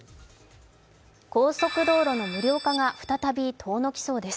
高速道路の無料化が再び遠のきそうです。